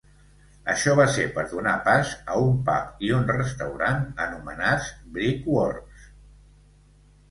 Això va ser per donar pas a un pub i un restaurant anomenats "Brickworks".